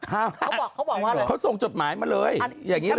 เขาบอกว่าอะไรนะครับเขาส่งจดหมายมาเลยอย่างนี้เลย